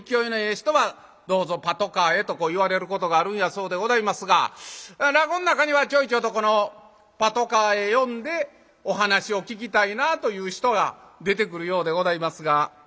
人は「どうぞパトカーへ」とこう言われることがあるんやそうでございますが落語ん中にはちょいちょいとこのパトカーへ呼んでお話を聞きたいなあという人が出てくるようでございますが。